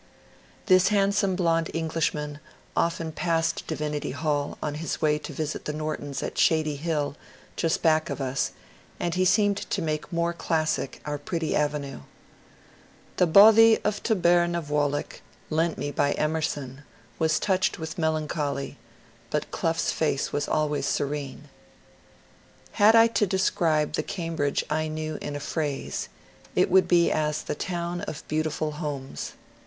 '* This handsome blond Englishman often passed Divinity Hall on his way to visit the Nortons at " Shady Hill," just back of us, and he seemed to make more classic our pretty avenue. " The Bothie of Tober na Vuolich," lent me by Emerson, was touched with melancholy, but Clough's face was always serene. Had I to describe the Cambridge I knew in a phrase, it would be as the Town of Beautiful Homes.